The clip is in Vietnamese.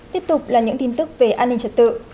tiếp tục là những tin tức về an ninh trật tự